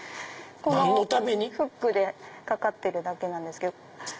このフックで掛かってるだけなんですけど。